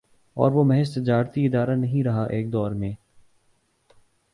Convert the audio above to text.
اب وہ محض تجارتی ادارہ نہیں رہا ایک دور میں